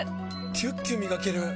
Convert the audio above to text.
キュッキュ磨ける！